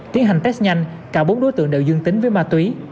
tiến hành test nhanh cả bốn đối tượng đều dương tính với ma túy